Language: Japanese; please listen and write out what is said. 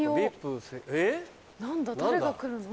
何だ誰が来るの？